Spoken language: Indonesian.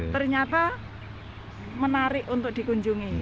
ternyata menarik untuk dikunjungi